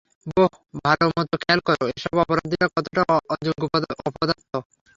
বোহ, ভালো মতো খেয়াল কর, এসব অপরাধীরা কতটা অযোগ্য অপদার্থ।